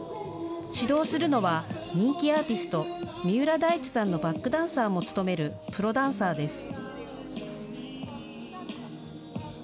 指導するのは人気アーティスト、三浦大知さんのバックダンサーも務めるプロダンサーです。